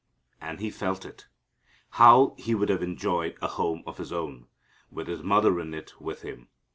And He felt it. How He would have enjoyed a home of His own, with His mother in it with him!